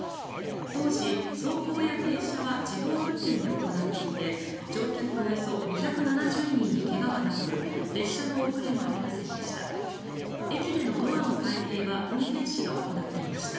当時、走行や停車は自動運転で行っていて乗客およそ２７０人に怪我はなく列車の遅れもありませんでした。